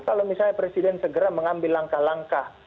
kalau misalnya presiden segera mengambil langkah langkah